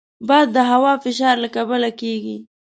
باد د هوا فشار له کبله کېږي